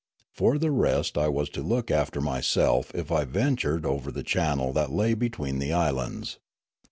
For the rest I was to look after m}' self if I ventured over the channel that lay between the islands.